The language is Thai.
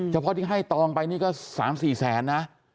เฉพาะที่ให้ตองไปนี่ก็๓๔แสนนะ